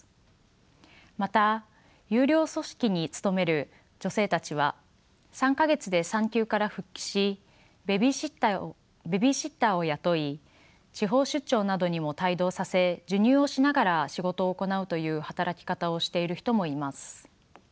また優良組織に勤める女性たちは３か月で産休から復帰しベビーシッターを雇い地方出張などにも帯同させ授乳をしながら仕事を行うという働き方をしている人もいます。